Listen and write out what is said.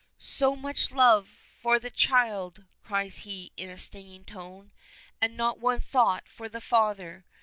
"So much love for the child," cries he in a stinging tone, "and not one thought for the father.